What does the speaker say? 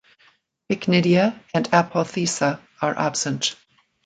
Pycnidia and apothecia are absent.